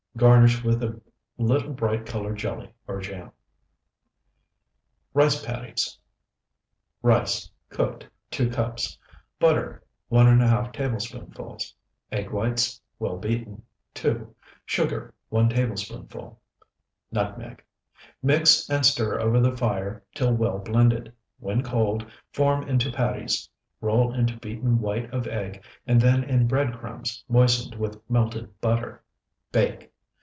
Garnish with a little bright colored jelly or jam. RICE PATTIES Rice, cooked, 2 cups. Butter, 1½ tablespoonfuls. Egg whites, well beaten, 2. Sugar, 1 tablespoonful. Nutmeg. Mix, and stir over the fire till well blended; when cold, form into patties, roll in beaten white of egg, and then in bread crumbs moistened with melted butter. Bake.